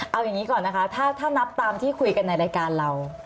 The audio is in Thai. เอาอย่างนี้ก่อนนะคะถ้านับตามที่คุยกันในรายการเรา